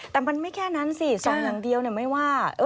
แต่มันไม่แค่นั้นสิส่องอย่างเดียวไม่ว่า